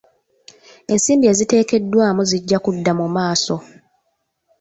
Ensimbi eziteekeddwamu zijja kudda mu maaso.